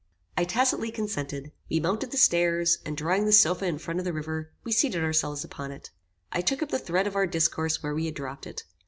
"I tacitly consented. We mounted the stairs, and drawing the sofa in front of the river, we seated ourselves upon it. I took up the thread of our discourse where we had dropped it.